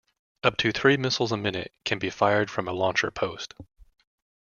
Up to three missiles a minute can be fired from a launcher post.